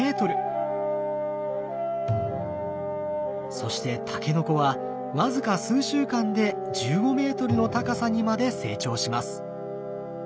そしてタケノコは僅か数週間で１５メートルの高さにまで成長します。